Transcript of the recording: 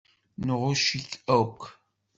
Nɣucc-ik akk.